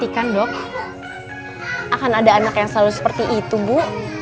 akan ada anak yang selalu seperti itu bu